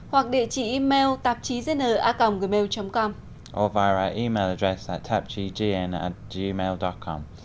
hoặc địa chỉ email tạp chí gn a cộng gmail com